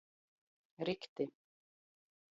Rikti.